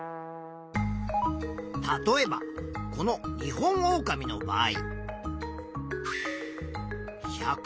例えばこのニホンオオカミの場合。